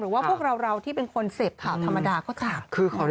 หรือว่าพวกเราที่เป็นคนเสพค่ะธรรมดาก็ถาม